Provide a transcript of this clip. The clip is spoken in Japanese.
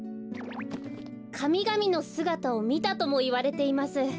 かみがみのすがたをみたともいわれています。